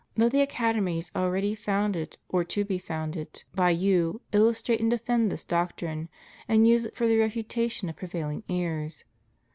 Let the academies already founded or to be founded by you illustrate and defend this doctrine, and use it for the refutation of prevailing errore.